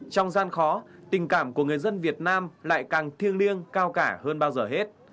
trong gian khó tình cảm của người dân việt nam lại càng thiêng liêng cao cả hơn bao giờ hết